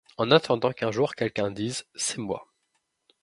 En attendant qu’un jour quelqu’un dise : c’est moi.